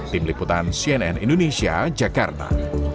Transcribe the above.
tim liputan cnn indonesia jakarta